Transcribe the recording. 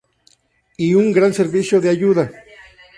Y un gran servicio de ayuda.